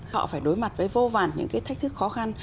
họ phải đối mặt với vô vàn những cái thách thức khó khăn